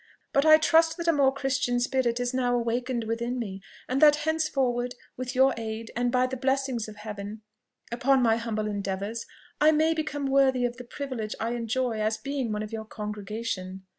But I trust that a more christian spirit is now awakened within me, and that henceforward, with your aid, and by the blessing of Heaven upon my humble endeavours, I may become worthy of the privilege I enjoy as being one of your congregation."